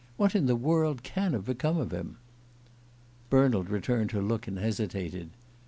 What in the world can have become of him?" Bernald returned her look and hesitated.